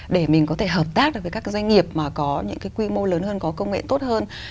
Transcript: để mình có thể hợp tác được với các doanh nghiệp mà có những cái quy mô lớn hơn có công nghệ tốt hơn